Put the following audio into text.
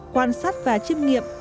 quan sát và chiếm nghiệm